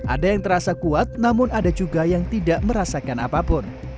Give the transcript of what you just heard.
ada yang terasa kuat namun ada juga yang tidak merasakan apapun